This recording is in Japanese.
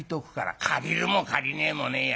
「借りるも借りねえもねえや。